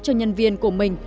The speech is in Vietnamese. cho nhân viên của mình